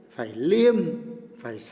phải liêm phải sạch